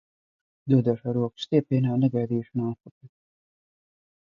Dodošā rokas stiepienā un negaidīšanā atpakaļ.